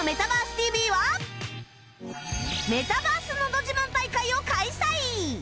メタバースのど自慢大会を開催！